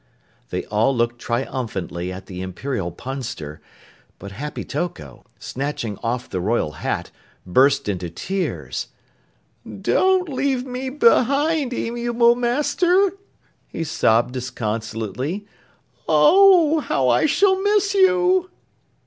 They all looked triumphantly at the Imperial Punster, but Happy Toko, snatching off the royal hat, burst into tears. "Don't leave me behind, amiable Master!" he sobbed disconsolately. "Oh, how I shall miss you!"